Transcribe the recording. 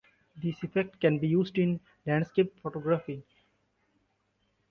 This effect can be used in landscape photography.